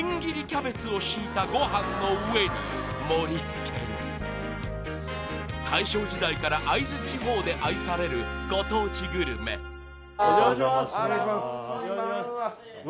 キャベツを敷いたごはんの上に盛りつける大正時代から会津地方で愛されるご当地グルメお邪魔します失礼します